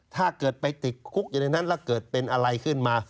ถ้าเกิดไปติดคุกอยู่ในนั้นแล้วเกิดเป็นอะไรขึ้นมา